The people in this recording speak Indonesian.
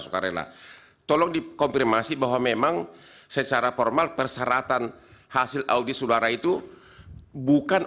sukarela tolong dikonfirmasi bahwa memang secara formal persyaratan hasil audit suara itu bukan